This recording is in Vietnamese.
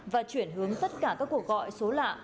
và chuyển hướng tất cả các cuộc gọi số lạ